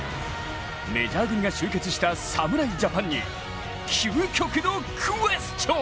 メジャー組が集結した侍ジャパンに究極のＱｕｅｓｔｉｏｎ。